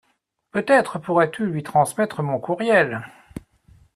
Peut-être pourrais-tu lui transmettre mon courriel.